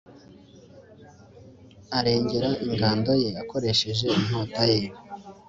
arengera ingando ye akoresheje inkota ye